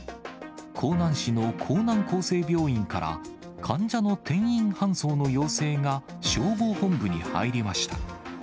江南市の江南厚生病院から、患者の転院搬送の要請が消防本部に入りました。